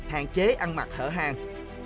ba hạn chế ăn mặc hở hang